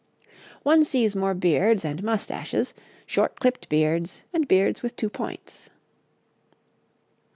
] One sees more beards and moustaches, short clipped beards, and beards with two points.